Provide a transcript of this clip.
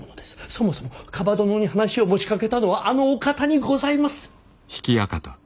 そもそも蒲殿に話を持ちかけたのはあのお方にございます。